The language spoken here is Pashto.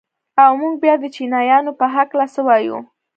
او موږ بيا د چينايانو په هکله څه وايو؟